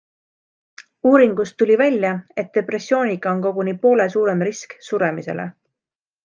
Uuringust tuli välja, et depressiooniga on koguni poole suurem risk suremisele.